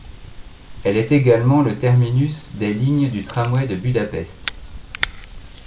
Elle est également le terminus des lignes du tramway de Budapest.